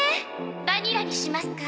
バニラにしますか？